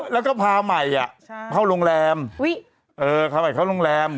แล้วก็พาใหม่เข้าโรงแรม